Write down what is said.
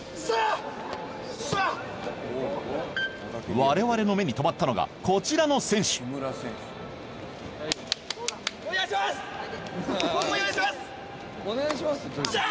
われわれの目に留まったのがこちらの選手よっしゃ！